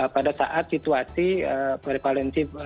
pada saat situasi prevalensi